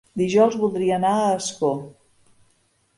Dijous voldria anar a Ascó.